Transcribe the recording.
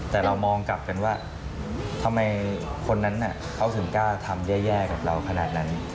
แต่เรามองกลับกันว่าทำไมคนนั้นเขาถึงกล้าทำแย่กับเราขนาดนั้น